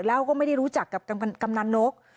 แล้วก็ไม่ได้รู้จักกับกำนันนก